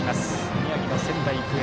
宮城の仙台育英。